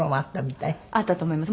あったと思います。